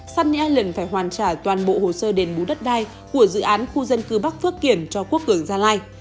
sanylen phải hoàn trả toàn bộ hồ sơ đền bù đất đai của dự án khu dân cư bắc phước kiển cho quốc cường gia lai